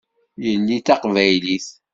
Yelli d taqbaylit.